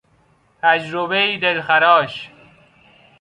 تجربهای دلخراش